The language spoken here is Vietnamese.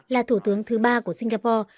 là thủ tướng thứ ba của singapore